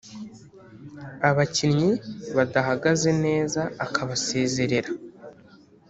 abakinnyi badahagaze neza akabasezerera